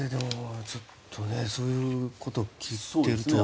ちょっとそういうことを聞いてると。